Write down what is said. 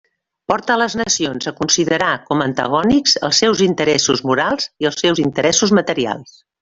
Porta les nacions a considerar com a antagònics els seus interessos morals i els seus interessos materials.